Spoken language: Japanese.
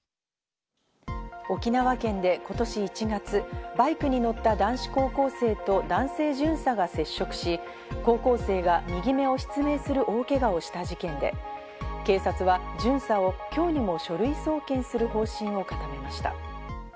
沖縄県で今年１月、バイクに乗った男子高校生と男性巡査が接触し、高校生が右目を失明する大けがをした事件で、警察は巡査を今日にも書類送検する方針を固めました。